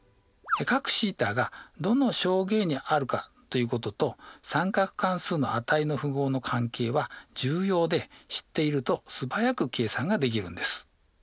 角θがどの象限にあるかということと三角関数の値の符号の関係は重要で知っていると素早く計算ができるんです。